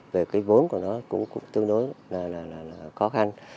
về cái vốn của nó cũng tương đối là khó khăn